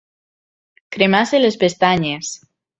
Cremar-se les pestanyes.